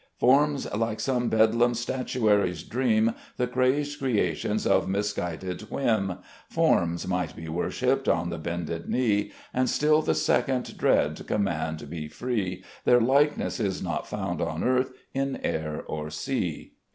"Forms like some bedlam statuary's dream, The crazed creations of misguided whim, Forms might be worshipped on the bended knee, And still the second dread command be free, Their likeness is not found on earth, in air, or sea."